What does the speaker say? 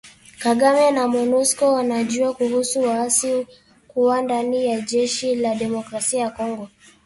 Kagame na Monusco wanajua kuhusu waasi kuwa ndani ya jeshi la Demokrasia ya Kongo